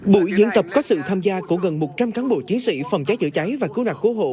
buổi diễn tập có sự tham gia của gần một trăm linh cán bộ chiến sĩ phòng cháy chữa cháy và cứu nạn cứu hộ